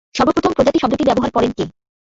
সর্বপ্রথম প্রজাতি শব্দটি ব্যবহার করেন কে?